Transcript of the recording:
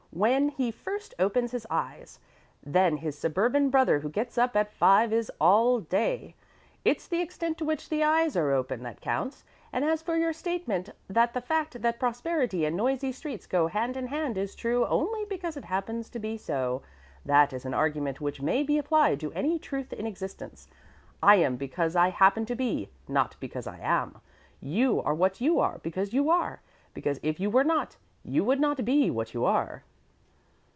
when he first opens his eyes, than his suburban brother who gets up at five is all day. It's the extent to which the eyes are opened that counts, and as for your statement that the fact that prosperity and noisy streets go hand in hand is true only because it happens to be so, that is an argument which may be applied to any truth in existence. I am because I happen to be, not because I am. You are what you are because you are, because if you were not, you would not be what you are."